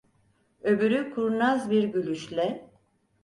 Öbürü kurnaz bir gülüşle: